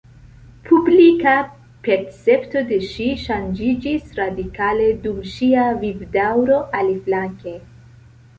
Publika percepto de ŝi ŝanĝiĝis radikale dum ŝia vivdaŭro, aliflanke.